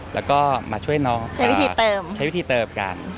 แล้วก็มาช่วยน้องใช้วิธีเติบกัน